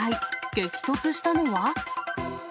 激突したのは？